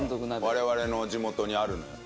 我々の地元にあるのよ